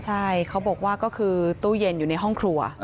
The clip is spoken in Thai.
ใช่เขาบอกว่าก็คือตู้เย็นอยู่ในห้องครัว